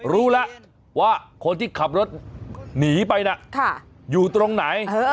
รู้ล่ะคนที่ขับรถหนีไปอยู่ตรงไหน